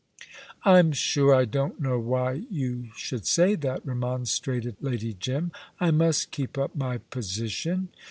"I'm sure I don't know why you should say that," remonstrated Lady Jim. "I must keep up my position."